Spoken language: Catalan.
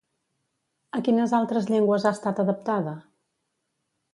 A quines altres llengües ha estat adaptada?